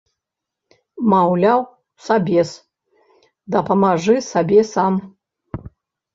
Маўляў, сабес, дапамажы сабе сам!